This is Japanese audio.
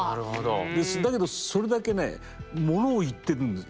だけどそれだけねものを言ってるんです